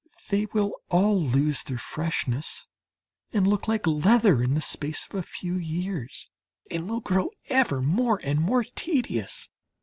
They will all lose their freshness and look like leather in the space of a few years, and will grow ever more and more tedious.